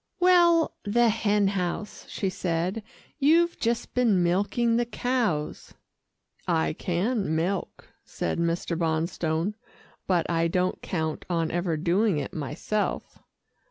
"Well the hen house," she said. "You've just been milking the cows." "I can milk," said Mr. Bonstone, "but I don't count on ever doing it myself."